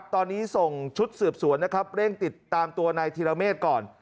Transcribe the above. ตอนนี้ส่งชุดเสือบสวนเร่งติดตามตัวนายทีระเมฆก่อน